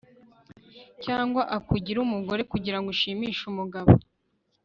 cyangwa ukugire umugore kugirango ushimishe umugabo